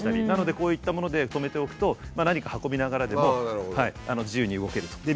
なのでこういったもので止めておくと何か運びながらでも自由に動けると。